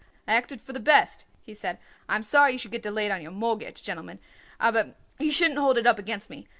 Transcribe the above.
"I acted for the best," he said. "I am sorry you should get delayed on your mortgage, gentlemen, aber you shouldn't hold it up against me.